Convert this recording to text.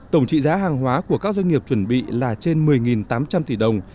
tổng trị giá hàng hóa của các doanh nghiệp chuẩn bị là trên một mươi tám trăm linh tỷ đồng